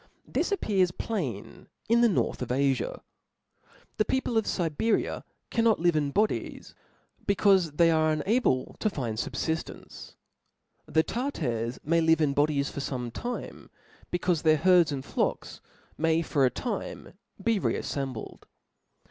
This appears plain in the north of Afia. The people of Siberia cannot live in bodies, becaufc they are unable to find fubfiftence ; the Tartars may live in bodies for fome time, becaufe their herds, and flocks may, for a time, be re affembled.